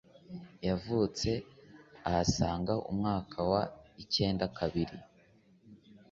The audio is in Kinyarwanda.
yavutse ahasaga umwaka wa icyenda kabiri.